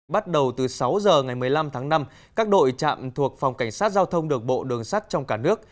bắt đầu từ sáu giờ ngày một mươi năm tháng năm các đội trạm thuộc phòng cảnh sát giao thông đường bộ đường sắt trong cả nước